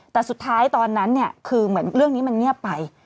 แต่สุดท้ายตอนนั้นเนี่ยคือเหมือนเรื่องนี้มันเงียบไป